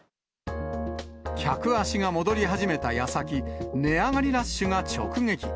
客足が戻り始めたやさき、値上がりラッシュが直撃。